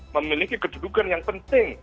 memiliki kedudukan yang penting